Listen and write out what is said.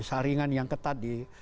saringan yang ketat